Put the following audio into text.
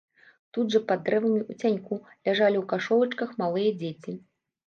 Тут жа пад дрэвамі, у цяньку, ляжалі ў кашолачках малыя дзеці.